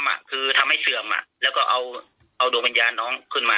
พอคืนนั้นแล้วแม่ชมพู่ก็ฝันเห็นเลยไง